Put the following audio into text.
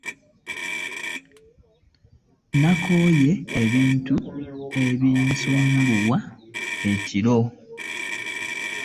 Nakooye ebintu ebinsumbuwa ekiro.